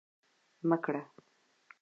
مه کره